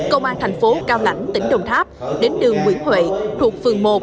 công an thành phố cao lãnh tỉnh đồng tháp đến đường nguyễn huệ thuộc phường một